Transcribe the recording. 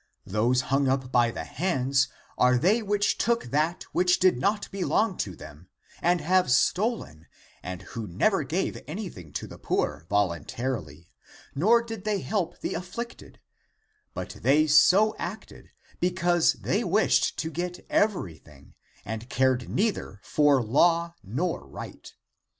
Those hung up by the hands are they which took that which did not belong to them and have stolen, and who never gave anything to the poor volun tarily, nor did they help the afflicted; but they so acted, because they wished to get everything, and cared neither for law nor right.